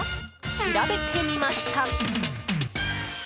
調べてみました。